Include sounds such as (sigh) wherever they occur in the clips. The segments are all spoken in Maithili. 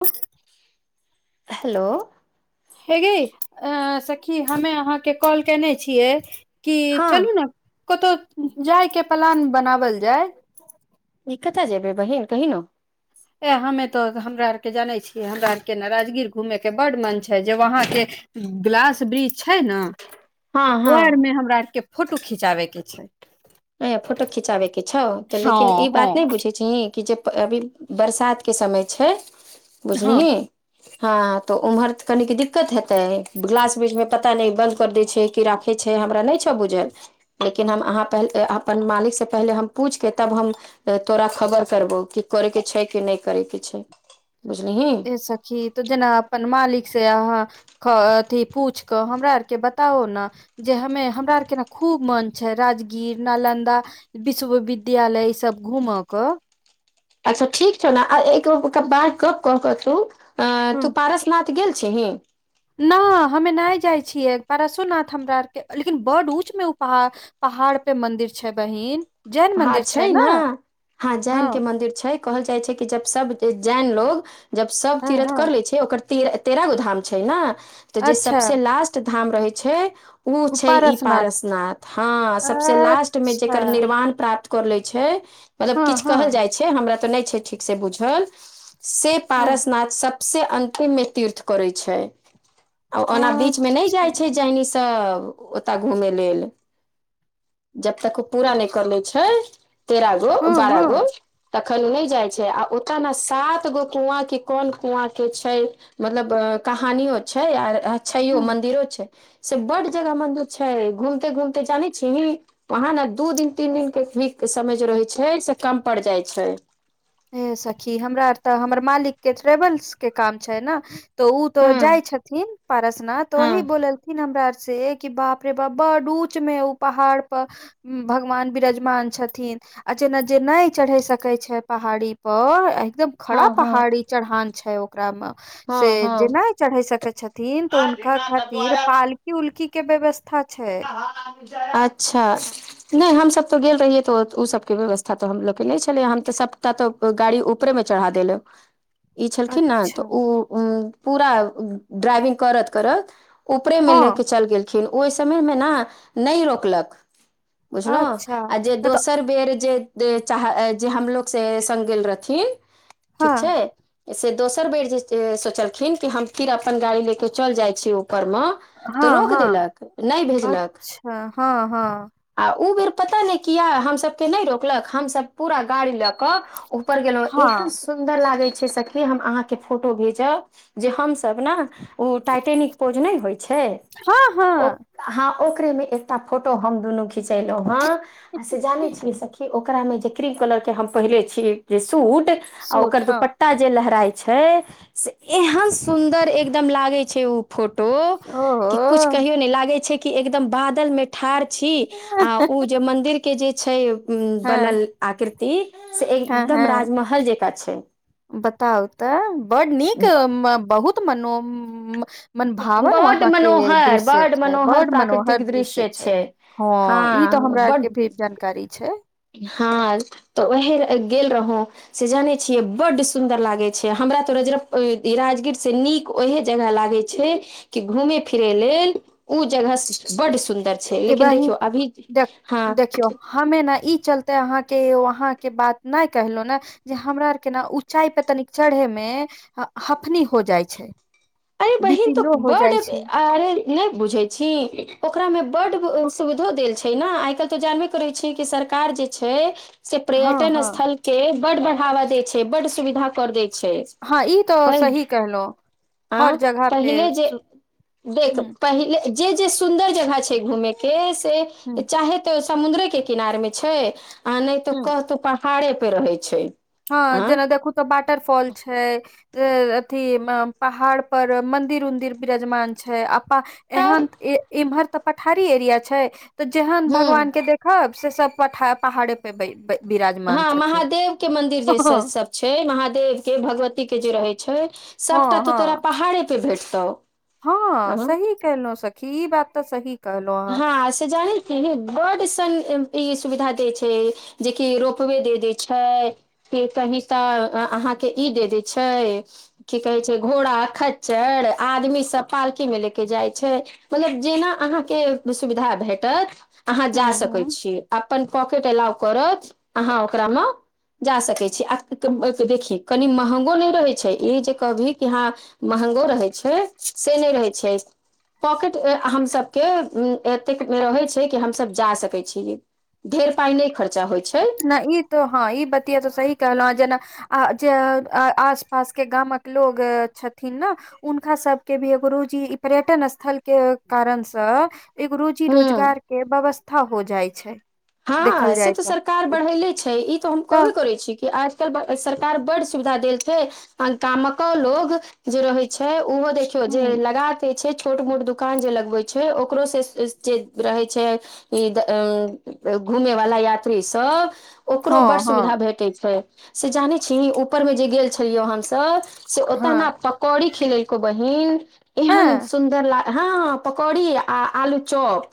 उस हेलो हेगै सखी हमे अहाँके कॉल केने छियै। कि हँ चलू ने कतहु जाइके प्लान बनाओल जाय। ए कत जेबै बहिन कहि न। ए हमे तो हमरा आर के जाने छियै हमरा आर के ने राजगीर घूमे के बड मन छै जे वहां के ग्लास बृष छैय ने हँ ओ हँ आरमे हमरा आरके फोटो खिचाबैके छैय। आ फोटो खिचाबे के छौ तऽ लेकिन ई हँ बात नहि बुझै छही कि जे अभी बरसातके समय छैय हँ बुझलिही। हँ तऽ उम्हर तऽ कनीक दिक्कत हेते गिलास वृष में पता नहि बंद कर देै छैय कीड़ा की छैय हमरा नहि छौ बुझल लेकिन हम आहा पहिल अपन मालिकसँ पहिले हम पूछिके तब हम तऽ तोरा खबर करबौ कि करे के छैय कि नहि करे के छैय बुझलिही। ए सखी तऽ जेना अपन मालिक से अहाँ ह अथि पूछि कऽ हमरा आरके बताओ ने। जे हमे हमरा आरके ने खूब मन छै राजगीर नालन्दा विश्वविद्यालय इसब घूम के। अच्छा ठीक छ ने एक बार क कर त तू पारस नाथ गेल छही? न हमे नहि जाइ छियै परारसोनाथ हमरा आर के लेकिन बड ऊँच मे उ पहा पहाड़ पे मंन्दिर छैय बहिन। जैन हँ मंदिर छै छैय ने हँ जैन के मंदिर छैय। कहल जाइ छैय कि जब सब जैन लोग जब सब हँ तीरथ हँ कर लै छैय ओकर त तेरह गो धाम छैय ने तऽ जे अच्छा सबस लास्ट धाम रहै छैय ओ छैय ई पारसनाथ हँ सबस लास्ट मे अच्छा जेकर निर्माण प्राप्त कर ले छैय मतलब हँ किछु कहल हँ जाइ छैय हमरा तऽ नहि छैय ठीक से बूझल से पारसनाथ सभसँ अन्तिममे तीर्थ करैत छैय। आ ओना बीच मे नहि अच्छा जाइ छैय जहनीसँ ओतय घुमे लेल। जब तक ओ पूरा नहि करले छैय तेरह गो हँ बारह हँ गो तखन नहि जाइ छैय आ ओतऽ न सात गो कुआँ कि कोन कुआँ के छैय मतलब कहानियो छैय आर अ छैयो हँ मंन्दिरो छैय। से बड्ड जगह मंन्दिर छैय घूमते घूमते जानै छिही वहाँ न दू दिन तीन दिन के तभी के समय जे रहै छैय से कम पड़ जाइ छैय। हे सखी हमरा आर तऽ हमर मालिक के ट्रेवल्स के काम छैय ने तऽ ओ तो हँ जाय छथिन पारसनाथ तऽ हँ वही बोलेलथिन हमरा आर से ए कि बाप रे बाप बड्ड ऊंच में उ पहाड़ प भगवान विराजमान छथिन आ जेना जे नहि चढ़य सकैत छैय पहाड़ी पर आ एकदम खड़ा हँ हँ पहाड़ी चढ़ान छैय ओ ओकरा म से हँ जे हँ नहि चढ़ै सकै छथिन तऽ हुनका खातिर पाल उल्की के व्यवस्था छैय। अच्छा नहि हमसभ तऽ गेल रहियै तऽ ओ सभके व्यवस्था तऽ हमलोगके नहि छलै हम तऽ सभटा तऽ ओ गाड़ी ऊपरे मे चढ़ा देलक। (unintelligible) ई छलखिन ने तऽ अच्छा ओ उ पूरा ड्राइविंग करत करत ऊपरेमे हँ लेके चलि गेलखिन ओहि समयमे न नहि रोकलक बुझलौं अच्छा आ जे मतलब दोसर बेर जे चाह जे हमलोग से संग गेल रहथिन हँ ठीक छै से दोसर बेर जे सोचलखिन कि हम फिर अपन गाड़ी लेऽ केऽ चल जाइत छी ऊपरमे तऽ हँ रोक हँ देलक नहि भेजलक अच्छा हँ हँ आ ओ बेर पता नहि किया हमसभके नहि रोकलक हमसभ पूरा गाड़ी लऽ कऽ ऊपर गेलौं एहन हँ सुन्दर लागै छै सखी हम अहाँके फोटो भेजब जे हमसभ न ओ टाइटेनिक पोज नहि होय छै हँ ओ हँ हँ ओकरे मे एकटा फोटो हम दुनू खिचेलौं हं आ से जानै छियै सखी ओकरा में जे क्रीम कलर के हम पहिनेे छी जे सूट आ सूट ओकर हँ दुपट्टा जे लहराई छै से एहन सुन्दर एकदम लागे छै उ फोटो कि कुछ ओहो कहियो ने लागे छै कि एकदम बादल में ठार छी आ उ जे मन्दिर के जे छै हँ बनल आकृति से हँ एकदम हँ राजमहल जेका छै बताउ तऽ बड नीक म बहुत मनो म मनभावन बड वहाँ के मनोहर दृश्य बड छै मनोहर बड मनोहर प्राकृतिक दृश्य छै हँ ई तऽ हँ हमरा आर के बड भी जानकारी छै हँ तऽ ओएह गेल रहौ से जानै छियै बड्ड सुन्दर लागैत छै हमरा त रजरप्प इ राजगीर से नीक ओहे जगह लागे छै कि घूमे फिरे लेल ओ जगह बड सुन्दर छै लेकिन एबाही देखियौ अभी देख हँ देखियौ हमे न ई चलते अहाँके वहाँके बात नहि कहलौं न जे हमरा आरके न ऊँचाइ पे तनिक चढ़े मे हफनी हो जाइ छै अरे बी बहिन पी तऽ लो हो बड जाइ छै आरे नहि बुझै छी ओकरा में बड सुविधो देल छै न आय काल्हि त जानवे करै छै कि सरकार जे छै से हँ पर्यटन हँ स्थल के बड बढ़ावा दै छै बड सुविधा कर दे छै हँ ई तऽ सही कहलहुं आ पहिले जे देख हुँ पहिले जे जे सुन्दर जगह छै घूमे के से हुँ चाहे त समुंद्रे के किनार मे छै आ नहि त हुँ कहतो पहाड़े पे रहे छै हँ आँ जेना देखू तऽ वाटर फॉल छै इ अथि पहाड़ पर मन्दिर उन्दिर बिरजमान छै तब एहन इम्हर तऽ पठारी एरिया छै तऽ जेहन भगवान हूँ के देख हब से सब प पहाड़े पे बिराजमान हँ छथिन महादेव के मंदिर जे हँ सब छै महादेव के भगवती के जे रहे छै सभटा हँ तो तोरा हँ पहाड़े पे भेटतौ हँ सही कहलौं सखी ई बात तऽ सही कहलहुँ अहाँ हँ से जान छीही बड सन ई सुविधा देै छै जेकि रोपवे दे दै छै के कही तऽ अहाँके ई दे दै छै की कहे छै घोड़ा खच्चर आदमी सब पालकी मे ले के जाइ छै मतलब जेना अहाँके सुविधा भेटत अहाँ जा हुँ हुँ सकैत छीयै अपन पॉकेट एलाव करत अहाँ ओकरा म जा सकै छी आ देखी कनि महंगो नहि रहे छै ई जे कहभी कि यहा महगो रहै छै से नहि रहै छै पॉकेट हमसब के एतेक मे रहै छै कि हमसब जा सकै छीय ढेर पाई नहि खर्चा होइ छै नहि ई तो हँ ई बतिया तऽ सही कहलहु ह जेना आ जे आस पास के गामक लोग छथिन ने हुनका सबके भी एगो रोजी पर्यटन स्थल के कारण सँ एगो रोजी हूँ रोजगार के व्यवस्था हो जाय छै देखल हँ से जाय तऽ सरकार उ बढ़ेले छै ई तऽ हम कहबे करै छी कि आज आ सरकार बड सुविधा देल छै आ गामको लोग जे रहे छै उहो दे देखियौ जे ह लगा केे छै छोट मोट दुकान जे लगवे छै ओकरो से जे रहे छै ई घूमे वाला यात्री सब ओकरो बड हँ हँ सुविधा भेटे छै से जानै छीही ऊपरमे जे गेल छलियै हमसभ से ओत ने हँ पकौड़ी खेलेलको बहिन एहन सुन हँ सूनदर ला हँ पकौड़ी आ आलू चॉप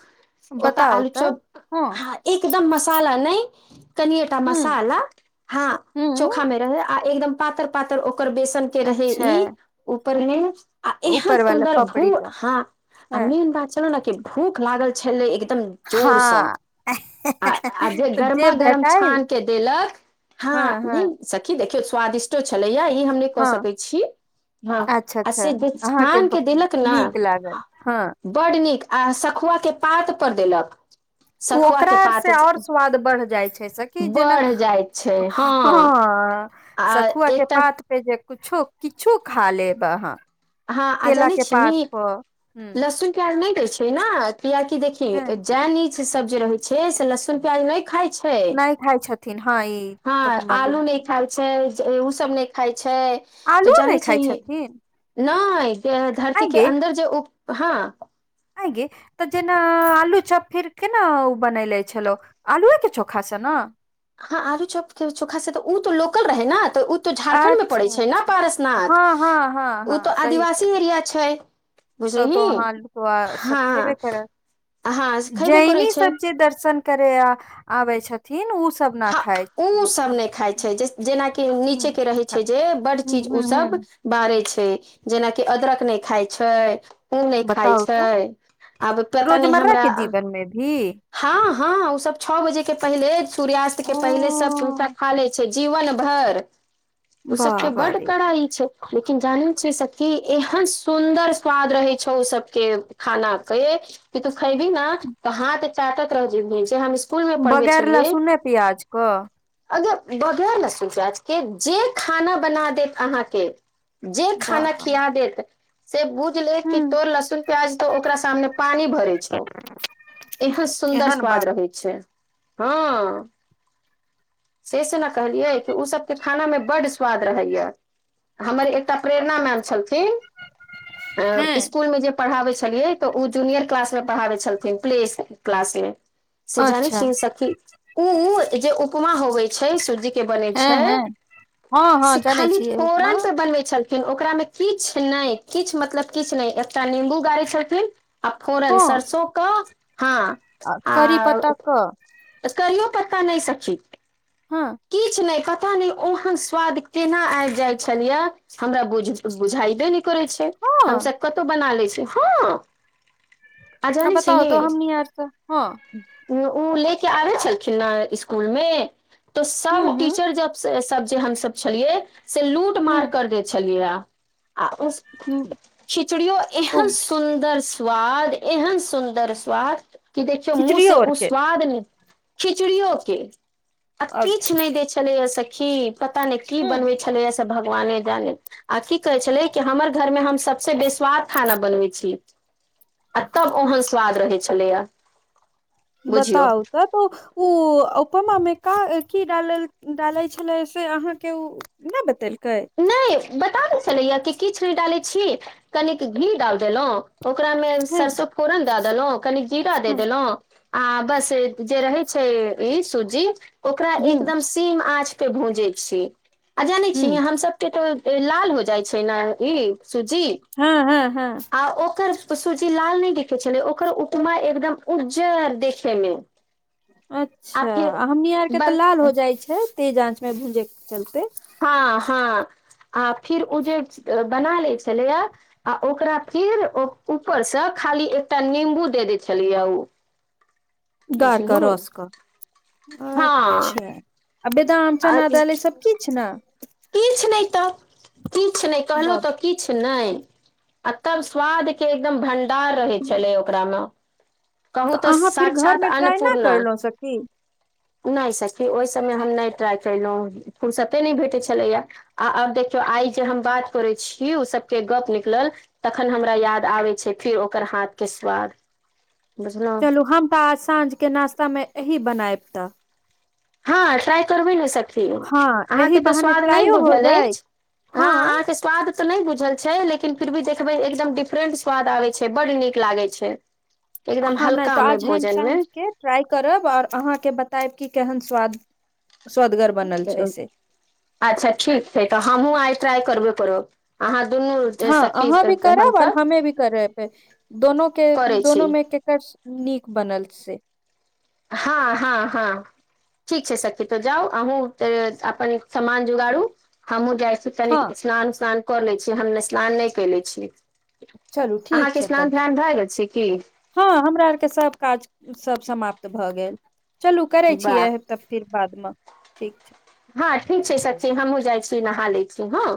ओता बताउ आलू तऽ चॉप हँ आ एकदम मसाला नहि कनएटा ह मसाला हँ चोखा ह में रहे आ एकदम पातर पातर ओकर बेसन के रहे अच्छा ई ऊपर मे आ एहन ऊपर वाला सुन्दर भू पपड़ी टा हँ आ हँ मेन बात छल न कि भूख लागल छलै एकदम जोरसँ हँ आ आ जे तऽ गरमा गरम भेटाइल छान के देलक हँ नहि सखी देखियो स्वादिष्ट को छलैया ई हम नहि कऽ हँ सकै छी हँ अच्छा आ अच्छा से अहाँके छान के ब- देलक ने नीक लागल हँ बड नीक आ सखुआ के पात पर देलक ओ सखुआ ओकरा के से पात आओर स्वाद बढ़ जाइ छै से कि जेना बढ़ जाइत छै हँ आ सखुआ के एकटा पात पे जे कुछो किछो खा लेब अहाँ हँ आ केला जानी के पात छिही पर ह लसुन प्याज नहि दै छै ने कियाकि देखि ह जैनि सब जे रहे छै से लसन प्याज नहि खाई छै नहि खााय छथिन हँ ई तब मालूम छै से ओ सब नहि खाइ छै तऽ आलूओ नहि जानै छी खाइ छथिन नहि से धरती आइ के अन्दर जे उग हँ आ गे तऽ जेना आलू चाप फिर केना ओ बनेले छलो आलुए के चोखा स ने हँ आलू चौक के चोखा से तऽ ओ तऽ लोकल रहै ने तऽ उ तो झारखण्ड मे पड़ै अच्छा छै ने अच्छा पारसनाथ हँ हँ हँ ओ हँ तऽ सही आदिवासी कहल एरिया छै तब तो बुझलिही वहां सब हँ खेबे करत हँ खयबे करै जैनी छै सब जे दर्शन करै आबै छथिन ओसभ हँ ओसभ नहि खाइ छै जे जेनाकि हुँ नीचेके रहै छै खाय जे बड हुँ चीज हुँ ओसभ हुँ बारै छै जेनाकि अदरक नहि खाइ छै ओ नहि खाय बताउ छै तऽ आब पता नहि रोजमर्रा हमरा के जीवन मे भी हँ हँ ओसभ छः बजे के पहिले सूर्यास्त के ओ पहिले सब पूरा खा लै छै जीवन भर ओ सबके बाबा बड रे कड़ाई छै लेकिन जानै छियै सखि एहन सुन्दर स्वाद रहै छौ ओ सबके खाना के तू खेबी ने तऽ हाथ चाटत रह जेबही जे स्कूल मे बगैर लहसुन ने प्याज के अगा बगेर लहसून प्याज के जे खाना बना देत अहाँके जे खाना बाबा खिया देत से बुझ ले कि हुँ तोर लहसुन प्याज तो ओकरा सामने पानी भरे छै एहन सुन्दर एहन स्वाद बात रहै छै हँ से से ने कहलियै कि उ सबके खाना मे बड्ड स्वाद रहैया आ हमर एकटा प्रेरणा मैम छलथिन हैं तऽ स्कूल मे जे पढ़ाबै छलियै तऽ ओ जूनियर क्लास मे पढ़ाबै छलथिन प्ले स्कुल क्लास मे से जानै अच्छा छियै सखी उ जे उपमा होबै छै सूजि के बनैत हैं छै हैं हँ हँ से जानै खाली छियै उपमा फोरन सऽ बनबै छल खिन ओकरा मे किछु नहि किछु मतलब किछु नहि एकटा नीम्बू गाड़ै छलखिन आ फोरन हँ सरसो कऽ हँ आ करी पत्ता कऽ करियो पत्ता नहि सखी हँ किछु नहि पता नहि ओहन स्वाद केना आबि जाय छलये हमरा बुझ बुझैबे नै करै छै हँ हमसभ कतहु बना लै छी हँ आ जानै बताउ छीहि तऽ हमनी आर तऽ हँ उ उ लेके आबै छलखिन नऽ स्कूल मे तो हूँ सब टीचर जब सब जे हमसभ छलियै से लूट मार हूँ कर देै छलियै य आ उस हूँ खिचड़ीयो तो एहन सुन्दर स्वाद एहन सुन्दर स्वाद कि देखियौ मुँह खिचड़ी से और उ के स्वाद ने खिचड़ियो के आ आगे किछ नहि देय छलेये सखी पता नहि की हूँ बनवे छलैये से भगवाने जाने आ की कहै छलै कि हमर घरमे हम सबसे बेस्वाद खाना बनबै छी आ तब ओहन स्वाद रहै छलैया बुझियौ बताउ तऽ ओ उ उपमा मे का की डालल डालय छेलै से अहाँके उ नहि बतैलकै नहि बता दै छलैया कि किछु नहि डालै छी कनिक घी डाल देलहुँ ओकरामे हूँ सरसो फोरन दऽ देलहुँ कनि जीरा दे हूँ देलहुँ आ बस जे रहे छै ई सुजी ओकरा हूँ एकदम धीम आँच पे भूंजै छियै आ जानै छियै हूँ हम सब के तऽ ई लाल हो जाइ छै नऽ ई सुजी हँ हँ हँ आ ओकर सूजी लाल नै देखे छेलै ओकर उपमा एकदम उज्जर देखे मे। (inaudible) आ अच्छा फिर हमनी आरके तऽ बन लाल हो जाइ छै तेज आँचमे भूजै के चलते हँ हँ आ फिर उ जे बना ले छलैया आ ओकरा फीर ऊपर सँ खाली एकटा नीम्बू दे दै छैलैय उ गारकऽ रस कऽ हँ अच्छा आ बेदाम चना दाइल ई सब किछ नऽ किछ नहि तऽ किछु नहि कहलहुँ बाप तऽ किछु नहि आ तब स्वाद के एकदम भंडार रहै छलै ओकरा मे कहू तऽ अहाँ फिर घर साक्षात मे ट्राई न अन्नपूर्णा करलहुं सखी नहि सखी ओहि सभमे हम नहि ट्राइ केलहुँ फुर्सते नहि भेटैत छलैए आ आब देखियौ आइ जे हम बात करै छी ओ सबके गप्प निकलल तखन हमरा याद आबै छै फेर ओकर हाथ के स्वाद बुझलहुँ चलू हम तऽ आज साँझ के नाास्ता मे ओही बनायब तऽ हँ ट्राय करबै ने स खी हँ आहाँ एहि के तऽ बहाने स्वाद नहि ट्रायो हो बुझल जाय अछि अहाँ अहाँ हँ के स् स्वाद तऽ नहि बुझल छै लेकिन फिर भी देखबै एकदम डिफरेंट स्वाद आबे छै बड्ड नीक लागै छै एकदम हल्का मे भोजन मे ट्राइ करब आओर अहाँके बतायब कि केहन स्वाद स्वदगर बनल छै से अच्छा ठीक छै तऽ हमहुँ आइ ट्राई करबे करब अहाँ दुनू हँ सखी अहाँ भी करब आओर हमसब हमे भी करबे दोनो के करै छी दोनो मे केकर नीक बनल छै हँ हँ हँ ठीक छै सखी तो जाउ अहूँ अपन समान जोगाड़ु हमहुँ जाइ छी हँ तनीक स्नान उस्नान कर ले छीयै हम स्नान नहि क ले छीयै चलू ठीक छै अहाँके तऽ स्नान ध्यान भए गेल छै की हँ हमरा आरके सभ काज सब समाप्त भए गेल चलू करै वाह छियै तऽ फिर बादमे ठीक छै हँ ठीक छै सखि हमहुँ जाइ छी नहा लै छी हँ